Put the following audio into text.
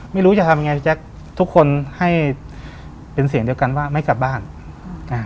ไม่รู้จะทำยังไงพี่แจ๊คทุกคนให้เป็นเสียงเดียวกันว่าไม่กลับบ้านอ่า